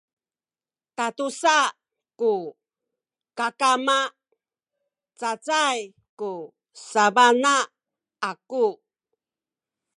tatusa ku kakama cacay ku sabana aku